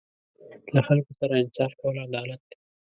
له خلکو سره انصاف کول عدالت دی.